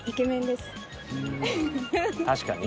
確かにね。